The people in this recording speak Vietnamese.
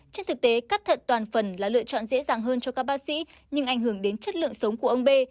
trên thực tế cắt thận toàn phần là lựa chọn dễ dàng hơn cho các bác sĩ nhưng ảnh hưởng đến chất lượng sống của ông b